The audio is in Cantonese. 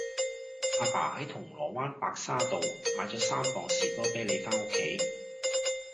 亞爸喺銅鑼灣白沙道買左三磅士多啤梨返屋企